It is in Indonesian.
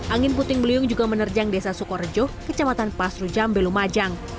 angin puting beliung juga menerjang desa sukorejo kecamatan pasru jambe lumajang